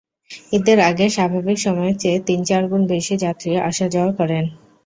ঈদের আগে স্বাভাবিক সময়ের চেয়ে তিন-চার গুণ বেশি যাত্রী আসা-যাওয়া করেন।